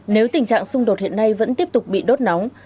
nếu tình trạng xung đột hiện nay vẫn tiếp tục bị đốt nóng